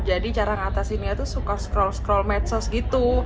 jadi cara ngatasinnya tuh suka scroll scroll medsos gitu